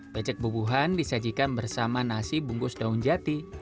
becek bubuhan disajikan bersama nasi bungkus daun jati